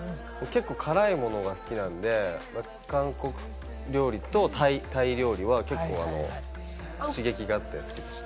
結構辛いものが好きなんで、韓国料理とタイ料理は結構、刺激があって好きでした。